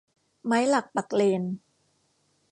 ไม้หลักปักเลน